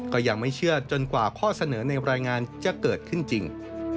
ก็ยังไม่เชื่อจนกว่าข้อเสนอในรายงานจะเกิดขึ้นจริง